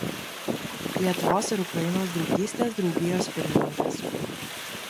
Lietuvos ir Ukrainos draugystės draugijos pirmininkas.